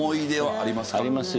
ありますよ。